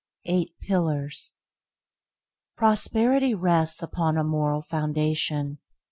1. Eight pillars Prosperity rests upon a moral foundation.